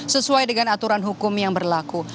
sesuai dengan aturan hukum yang berlaku